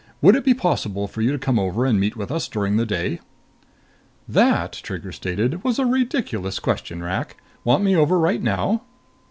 Would it be possible for you to come over and meet with us during the day?" "That," Trigger stated, "was a ridiculous question, Rak! Want me over right now?"